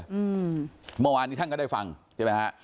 อืมเมื่อวานนี้ท่านก็ได้ฟังใช่ไหมฮะ